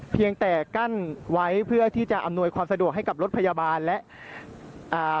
เพียงแต่กั้นไว้เพื่อที่จะอำนวยความสะดวกให้กับรถพยาบาลและอ่า